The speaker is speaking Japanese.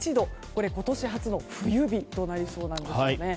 これは今年初の冬日となりそうなんですね。